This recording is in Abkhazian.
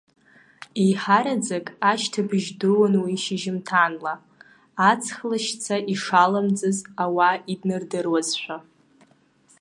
Еиҳараӡак ашьҭыбжь дуун уи шьыжьымҭанла, аҵх лашьца ишаламӡыз ауаа иднардыруазшәа.